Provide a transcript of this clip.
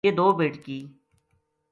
یہ دو بیٹکی